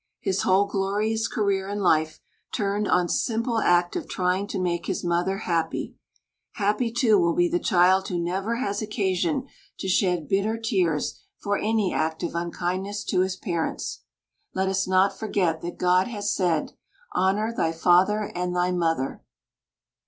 His whole glorious career in life turned on simple act of trying to make his mother happy, happy, too, will be the child who never has occasion to shed bitter tears for any act of unkindness to his parents. Let us not forget that God has said, "Honor thy father and thy mother."